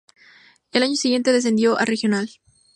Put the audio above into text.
El año siguiente descendió a regional.